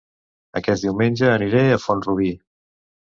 Aquest diumenge aniré a Font-rubí